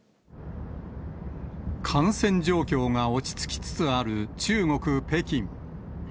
感染状況が落ち着きつつある中国・北京。